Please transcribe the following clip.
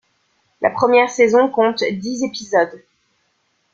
La première saison compte dix épisodes.